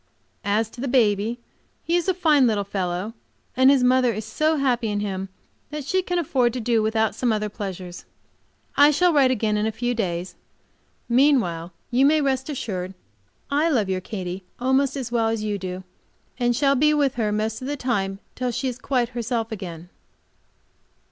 As to the baby, he is a fine little fellow, and his mother is so happy in him that she can afford to do without some other pleasures. I shall write again in a few days. Meanwhile, you may rest assured that I love your Katy almost as well as you do, and shall be with her most of the time till she is quite herself again.